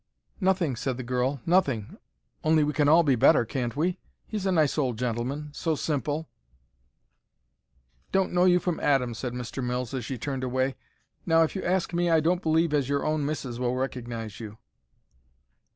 "Nothing," said the girl, "nothing. Only we can all be better, can't we? He's a nice old gentleman; so simple." "Don't know you from Adam," said Mr. Mills, as she turned away. "Now, if you ask me, I don't believe as your own missis will recognize you."